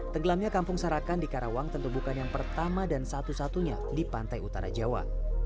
tenggelamnya kampung sarakan di karawang tentu bukan yang pertama dan satu satunya di pantai utara jawa